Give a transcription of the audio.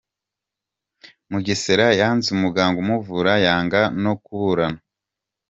Mugesera yanze umuganga umuvura, yanga no kuburana